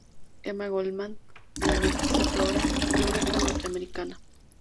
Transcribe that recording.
Emma Goldman, la anarquista teórica norteamericana.